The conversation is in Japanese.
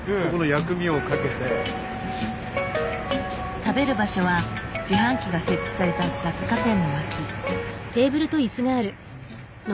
食べる場所は自販機が設置された雑貨店の脇。